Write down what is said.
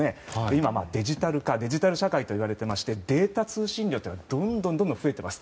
今はデジタル化やデジタル社会といわれていましてデータ通信料というのはどんどん増えています。